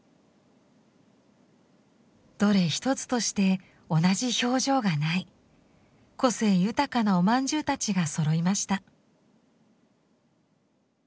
どれ一つとして同じ表情がない個性豊かなおまんじゅうたちがそろいました。